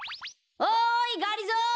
おいがりぞー！